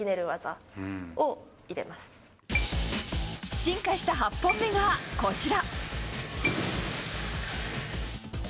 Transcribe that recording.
進化した８本目がこちら。